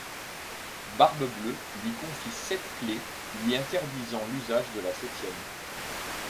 Barbe-Bleue lui confie sept clés, lui interdisant l'usage de la septième.